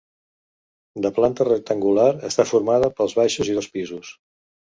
De planta rectangular està formada pels baixos i dos pisos.